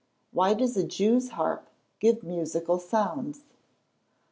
_Why does a Jew's harp give musical sounds?